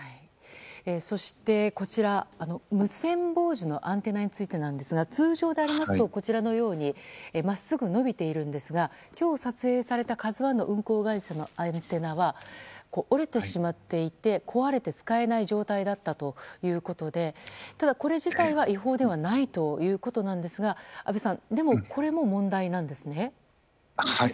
そして、無線傍受のアンテナについてですが通常でありますと真っすぐ伸びているんですが今日撮影された「ＫＡＺＵ１」の運航会社のアンテナは折れてしまっていて壊れて使えない状態だったということでただ、これ自体は違法ではないということなんですが安倍さん、でもこれも問題なんですね。